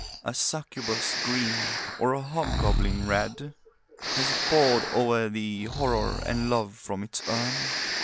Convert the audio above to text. A succubus green, or a hobgoblin red, Has it poured o'er thee Horror and Love from its urn?